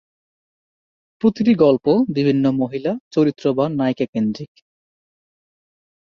প্রতিটি গল্প বিভিন্ন মহিলা চরিত্র বা "নায়িকা" কেন্দ্রিক।